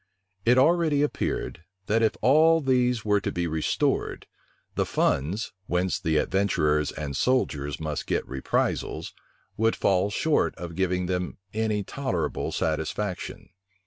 It already appeared, that if all these were to be restored, the funds, whence the adventurers and soldiers must get reprisals, would fall short of giving them any tolerable satisfaction.